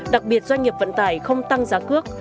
đặc biệt doanh nghiệp vận tải không tăng giá cước